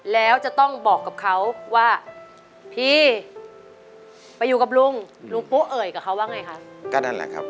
แล้วจะต้องบอกกับเขาว่าพี่ไปอยู่กับลุงปู้เอ๋ยกับเขานะครับ